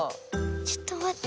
ちょっとまって。